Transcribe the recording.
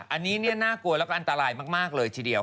อันนี้เนี่ยน่ากลัวและอันตรายมากเลย